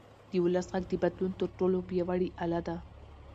د ولس غږ د بدلون تر ټولو پیاوړی اله ده